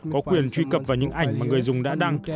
có quyền truy cập vào những ảnh mà người dùng đã đăng